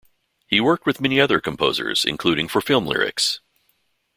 He worked with many other composers, including for film lyrics.